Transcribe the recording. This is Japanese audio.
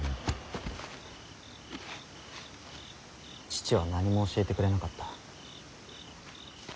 父は何も教えてくれなかった。